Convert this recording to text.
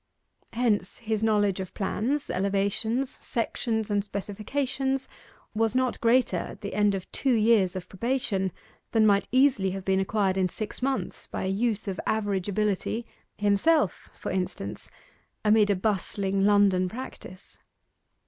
Hence his knowledge of plans, elevations, sections, and specifications, was not greater at the end of two years of probation than might easily have been acquired in six months by a youth of average ability himself, for instance amid a bustling London practice.